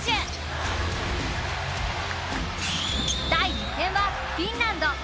第２戦はフィンランド。